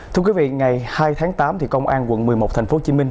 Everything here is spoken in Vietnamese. thưa quý vị ngày hai tháng tám thì công an quận một mươi một tp hcm